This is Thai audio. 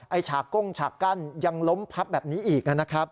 ฉากก้งฉากกั้นยังล้มพับแบบนี้อีกนะครับ